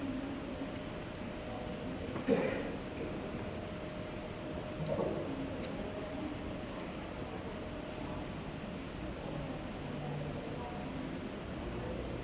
สวัสดีครับสวัสดีครับ